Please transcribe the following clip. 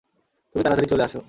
তুমি তাড়াতাড়ি চলো আসো।